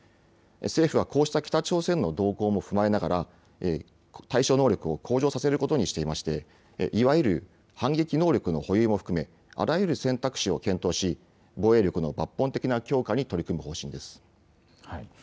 政府はこうした北朝鮮の動向も踏まえながら対処能力を向上させることにしていましていわゆる反撃能力の保有も含めあらゆる選択肢を検討し防衛力の抜本的な強化に取り組む方針です。